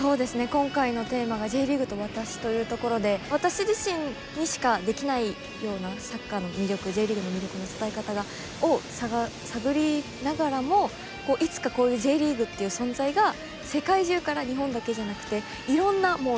今回のテーマが「Ｊリーグと私」というところで私自身にしかできないようなサッカーの魅力Ｊリーグの魅力の伝え方を探りながらもいつかこういうＪリーグっていう存在が世界中から日本だけじゃなくていろんなもう